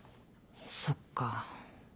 そっか。